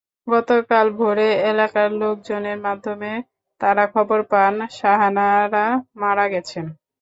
গতকাল ভোরে এলাকার লোকজনের মাধ্যমে তাঁরা খবর পান শাহানারা মারা গেছেন।